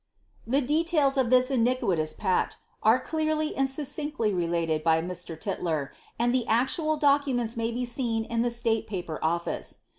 The details of this iniquitous pact, are clearly and succinctly related byMr. Tytler, and the actual documents may be seen in the Slate Paper Office.'